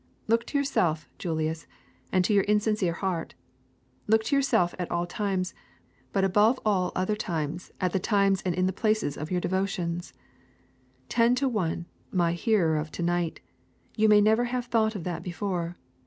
Look to yourself, Julius, and to your insincere heart. Look to yourself at all times, but above all other times at the times and in the places of your devotions. Ten to one, my hearer of to night, you may never have thought of that before.